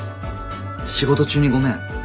仕事中にごめん。